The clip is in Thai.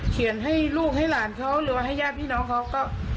ให้ลูกให้หลานเขาหรือว่าให้ญาติพี่น้องเขาก็